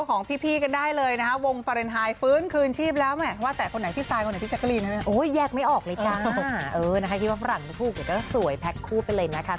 ขอบคุณค่ะที่ยังจำไซด์ได้นะคะ